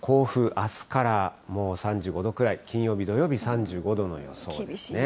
あすからもう３５度くらい、金曜日、土曜日３５度の予想ですね。